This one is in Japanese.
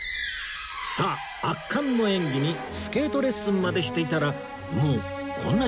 さあ圧巻の演技にスケートレッスンまでしていたらもうこんな時間です